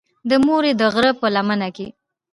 د مورې د غرۀ پۀ لمن کښې